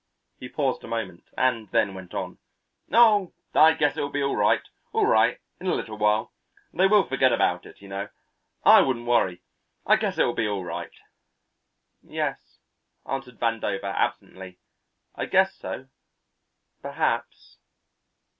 He paused a moment and then went on: "Oh, I guess it will be all right, all right, in a little while. They will forget about it, you know. I wouldn't worry. I guess it will be all right." "Yes," answered Vandover absently, "I guess so perhaps."